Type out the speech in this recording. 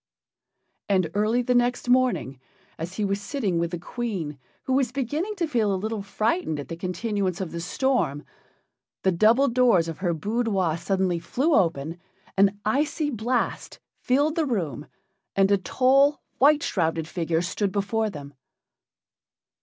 And early the next morning, as he was sitting with the Queen, who was beginning to feel a little frightened at the continuance of the storm, the double doors of her boudoir suddenly flew open, an icy blast filled the room, and a tall, white shrouded figure stood before them.